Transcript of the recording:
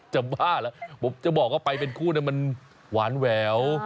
บ้าเหรอผมจะบอกว่าไปเป็นคู่มันหวานแหวว